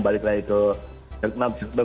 kemudian ke jernak jernak